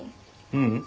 ううん。